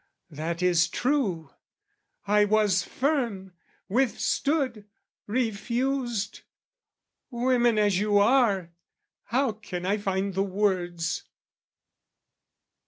That is true: I was firm, withstood, refused... Women as you are, how can I find the words?